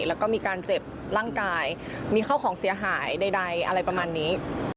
แล้วก็มีการเจ็บร่างกายมีเข้าของเสียหายใดอะไรประมาณนี้